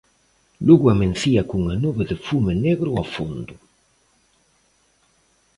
Lugo amencía cunha nube de fume negro ao fondo.